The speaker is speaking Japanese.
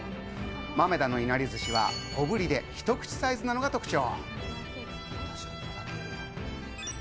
豆狸のいなり寿司は小ぶりで一口サイズなのが特徴。